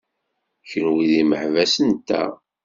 Kenwi d imeḥbas-nteɣ.